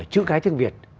chữ cái tiếng việt